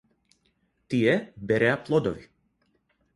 Тие береа плодови.